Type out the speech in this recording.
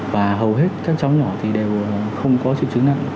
và hầu hết các cháu nhỏ thì đều không có triệu chứng nặng